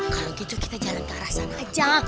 kalau gitu kita jalan ke arah sana aja